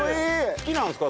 好きなんですか？